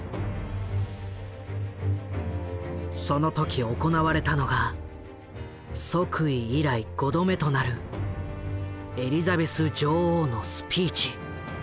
その時行われたのが即位以来５度目となるエリザベス女王のスピーチ。